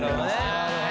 なるほどね。